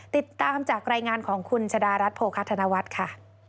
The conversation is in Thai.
ติดตามจากรายงานของคุณชะดารัฐโภคธนวัฒน์ค่ะ